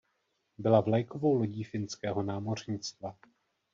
Byla vlajkovou lodí finského námořnictva.